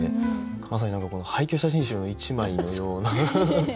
まさに何か廃虚写真集の一枚のような。